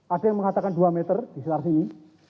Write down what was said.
ada yang mengatakan dua meter di sekitar sini